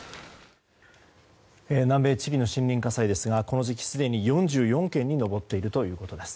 南米チリの森林火災ですがこの時期すでに４４件に上っているということです。